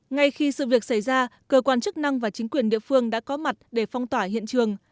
ngay khi sự việc xảy ra cơ quan chức năng và chính quyền địa phương đã có mặt để phong tỏa hiện trường